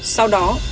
sau đó đối tượng này